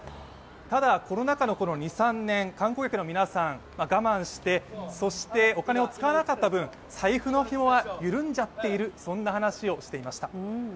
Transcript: ただコロナ禍のこの２、３年、観光客の皆さんは我慢して、そしてお金を使わなかった分、財布のひもが緩んじゃっているという話をしていました。